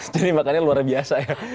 jadi makanya luar biasa ya